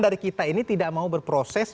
dari kita ini tidak mau berproses